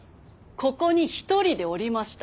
ここに１人でおりました。